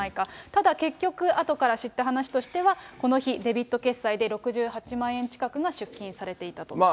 ただ結局あとから知った話としてはこの日、デビット決済で６８万円近くが出金されていたと。